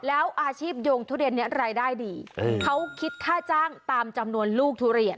แล้วอาชีพโยงทุเรียนนี้รายได้ดีเขาคิดค่าจ้างตามจำนวนลูกทุเรียน